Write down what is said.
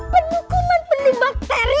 penuhiuman penuh bakteri